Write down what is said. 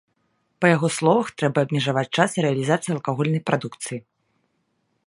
Па яго словах, трэба абмежаваць час рэалізацыі алкагольнай прадукцыі.